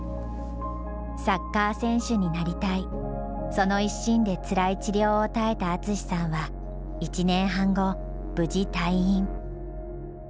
その一心でつらい治療を耐えた淳さんは１年半後無事退院。